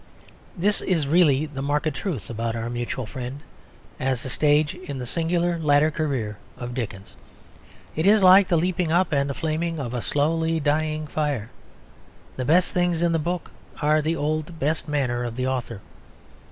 This is really the marked truth about Our Mutual Friend, as a stage in the singular latter career of Dickens. It is like the leaping up and flaming of a slowly dying fire. The best things in the book are in the old best manner of the author.